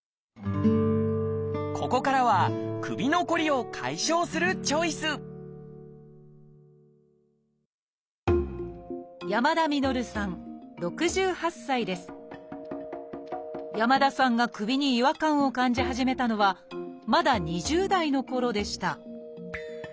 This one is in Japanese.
ここからは首のこりを解消するチョイス山田さんが首に違和感を感じ始めたのはまだ２０代のころでした